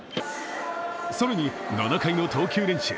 更に７回の投球練習。